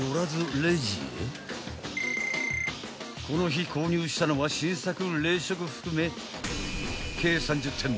［この日購入したのは新作冷食含め計］